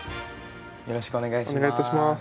よろしくお願いします。